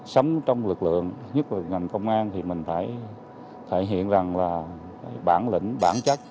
sống trong lực lượng nhất là ngành công an thì mình phải thể hiện bản lĩnh bản chất